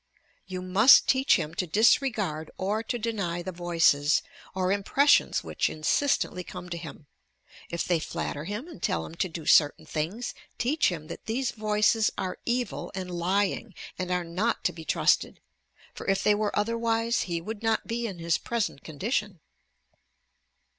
You must teach him to disregard or to deny the voices, or impressions which insistently come to him. If they flatter him and tell him to do certain things, teach him that these voices are evil and lying, and are not to be trusted; for if they were otherwise he would not be in his present condition.